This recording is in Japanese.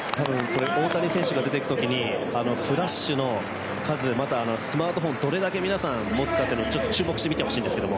大谷選手が出て行く時にフラッシュの数また、スマートフォンどれだけ皆さんが持つかというのも注目して見てもらいたいです。